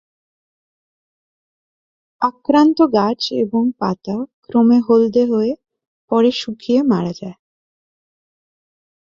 আক্রান্ত গাছ এবং পাতা ক্রমে হলদে হয়ে পরে শুকিয়ে মারা যায়।